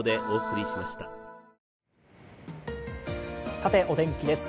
さてお天気です。